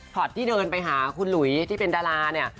ที่เดินไปหาคุณหลุยที่เป็นดาราเนี่ย